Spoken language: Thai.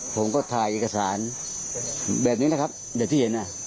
ผมก็ถ่ายเอกสารแบบนี้แหละครับเหลือที่เห็นน่ะ